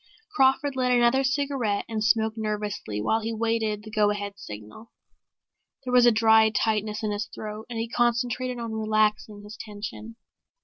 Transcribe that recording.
Crawford lit another cigarette and smoked nervously while he awaited the go ahead signal. There was a dry tightness in his throat and he concentrated on relaxing his tension.